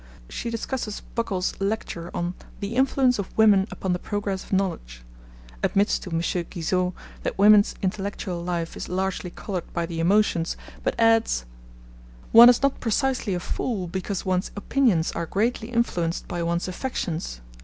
She discusses Buckle's lecture on 'The Influence of Women upon the Progress of Knowledge,' admits to M. Guizot that women's intellectual life is largely coloured by the emotions, but adds: 'One is not precisely a fool because one's opinions are greatly influenced by one's affections.